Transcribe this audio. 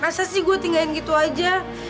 masa sih gue tinggain gitu aja